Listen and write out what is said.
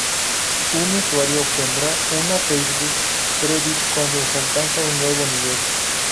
Un usuario obtendrá una Facebook Credit cuando se alcanza un nuevo nivel.